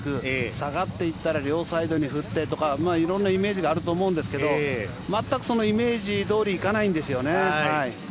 下がっていったら両サイドに振ってとかいろんなイメージがあると思うんですが全く、そのイメージどおりにいかないんですよね。